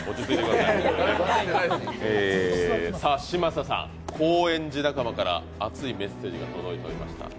さあ、嶋佐さん、高円寺仲間から熱いメッセージが届いていました。